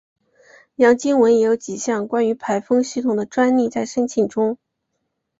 杨经文也有几项关于排风系统的专利在申请中。